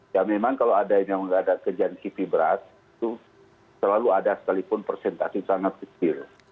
ya memang kalau ada yang tidak ada kejadian kipi berat itu selalu ada sekalipun presentasi sangat kecil